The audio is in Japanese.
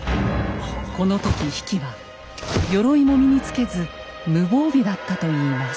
この時比企は鎧も身につけず無防備だったといいます。